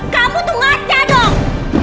kamu tuh ngajak dong